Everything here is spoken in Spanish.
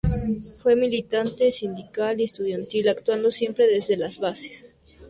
Fue militante sindical y estudiantil, actuando siempre desde las bases.